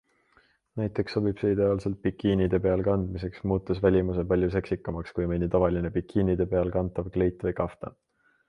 Näiteks sobib see ideaalselt bikiinide peal kandmiseks, muutes välimuse palju seksikamaks kui mõni tavaline bikiinide peal kantav kleit või kaftan.